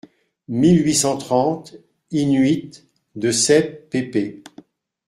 (mille huit cent trente), in-huit de sept pp.